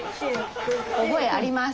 覚えあります。